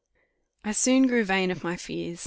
I soon grew vain of my fears.